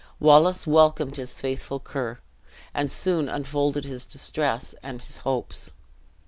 Wallace welcomed his faithful Ker, and soon unfolded his distress and his hopes.